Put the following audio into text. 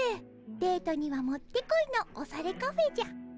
デートにはもってこいのオサレカフェじゃ。